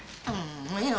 もういいの？